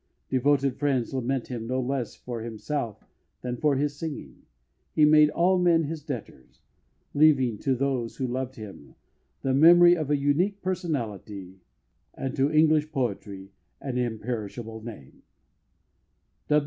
Devoted friends lament him, no less for himself than for his singing. He made all men his debtors, leaving to those who loved him the memory of a unique personality, and to English poetry an imperishable name.